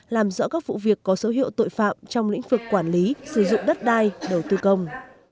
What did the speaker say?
làm rõ các vụ việc có số hiệu tội phạm trong lĩnh vực quản lý sử dụng đất đai đầu tư công